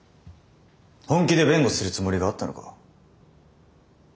本気で弁護するつもりがあったのか？